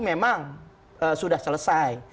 memang sudah selesai